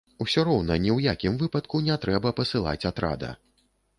Усё роўна ні ў якім выпадку не трэба пасылаць атрада.